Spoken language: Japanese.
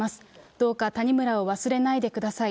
どうか、谷村を忘れないでください。